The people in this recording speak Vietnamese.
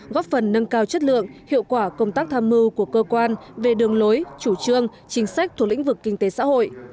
góp phần nâng cao chất lượng hiệu quả công tác tham mưu của cơ quan về đường lối chủ trương chính sách thuộc lĩnh vực kinh tế xã hội